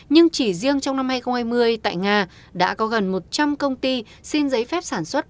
nhưng chỉ riêng trong năm hai nghìn hai mươi tại nga đã có gần một trăm linh công ty xin giấy phép sản xuất